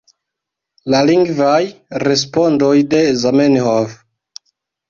La lingvaj respondoj de Zamenhof